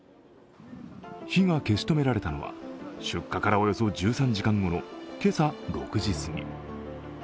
火が消し止められたのは出火からおよそ１３時間後の今朝６時すぎ。